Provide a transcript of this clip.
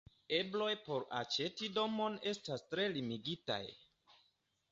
La ebloj por aĉeti domon estas tre limigitaj.